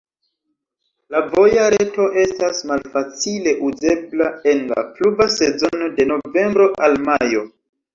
La voja reto estas malfacile uzebla en la pluva sezono de novembro al majo.